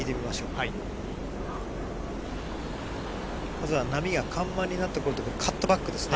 まずは波が緩慢になってくるところカットバックですね。